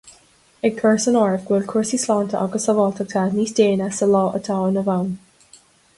Ag cur san áireamh go bhfuil cúrsaí sláinte agus sábháilteachta níos déine sa lá atá inniu ann.